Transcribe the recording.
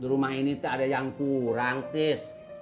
di rumah ini ada yang kurang tis